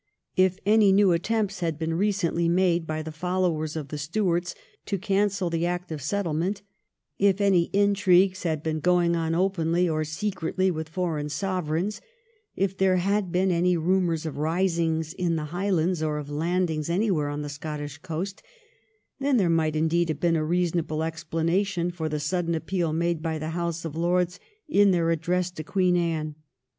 If any new attempts had been recently made by the followers of the Stuarts to cancel the Act of Settle ment ; if any intrigues had been going on openly or secretly with foreign Sovereigns ; if there had been any rumours of risings in the Highlands or of landings anywhere on the Scottish coast, then there might indeed have been a reasonable explanation for the sudden appeal made by the House of Lords in their Address to Queen Anne.